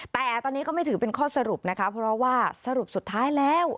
แต่ตอนนี้ก็ไม่ถือเป็นข้อสรุปนะคะเพราะว่าสรุปสุดท้ายแล้ว